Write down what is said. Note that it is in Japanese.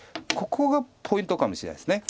ここがポイントかもしれないです。